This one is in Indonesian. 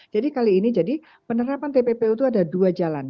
jadi kali ini penerapan tppu itu ada dua jalan